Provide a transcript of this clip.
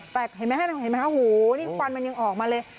แต่เห็นไหมคะโอ้โฮนี่ควันมันยังออกมาเลย